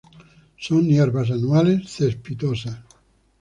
Son hierbas, anuales, cespitosas.